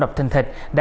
sau hai tháng